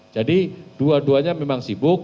jadi dua duanya memang sibuk